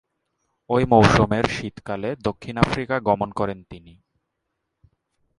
ঐ মৌসুমের শীতকালে দক্ষিণ আফ্রিকা গমন করেন তিনি।